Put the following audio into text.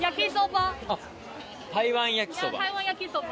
あっ台湾焼きそば。